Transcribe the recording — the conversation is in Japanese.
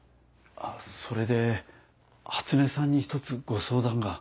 あっそれで初音さんに一つご相談が。